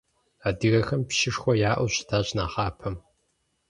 Адыгэхэм пщышхуэ яӏэу щытащ нэхъапэм.